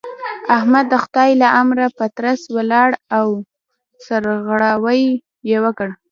احمد د خدای له امره په ترڅ ولاړ او سرغړاوی يې وکړ.